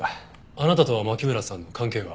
あなたと牧村さんの関係は？